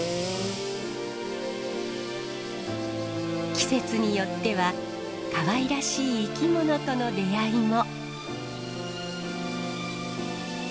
季節によってはかわいらしい生き物との出会いも。